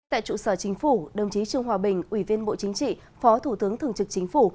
tại trụ sở chính phủ đồng chí trương hòa bình ủy viên bộ chính trị phó thủ tướng thường trực chính phủ